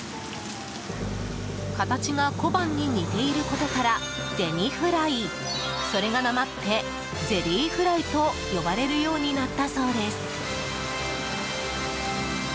形が、小判に似ていることから銭フライそれが、なまってゼリーフライと呼ばれるようになったそうです。